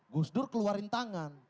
gus dur keluarin tangan